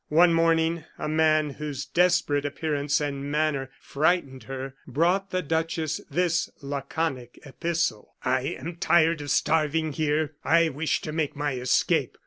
One morning, a man whose desperate appearance and manner frightened her, brought the duchess this laconic epistle: "I am tired of starving here; I wish to make my escape.